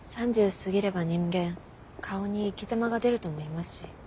過ぎれば人間顔に生きざまが出るともいいますし。